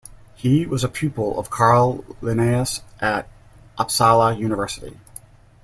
He was a pupil of Carl Linnaeus at Uppsala University.